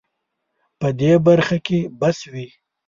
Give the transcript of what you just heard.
په دې برخه کې بس وي